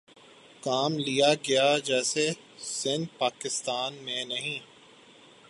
کام لیا گیا جیسے سندھ پاکستان میں نہیں